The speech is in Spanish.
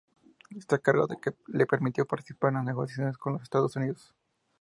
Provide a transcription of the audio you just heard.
Ese cargo le permitió participar en las negociaciones con los Estados Unidos.